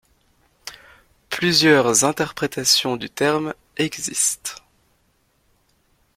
Plusieurs interprétations du terme existent.